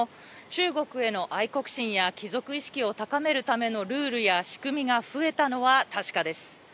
中国への愛国心や帰属意識を高めるためのルールや仕組みが増えたのは確かです。